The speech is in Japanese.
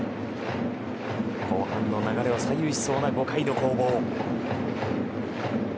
後半の流れを左右しそうな５回の攻防。